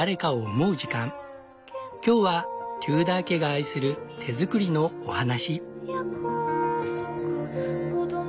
今日はテューダー家が愛する手作りのお話。